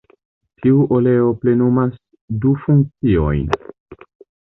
Tiu oleo plenumas du funkciojn.